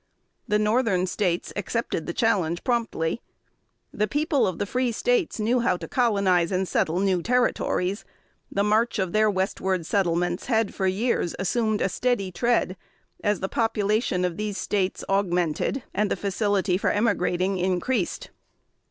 The Northern States accepted the challenge promptly. The people of the Free States knew how to colonize and settle new Territories. The march of their westward settlements had for years assumed a steady tread as the population of these States augmented, and the facility for emigrating increased.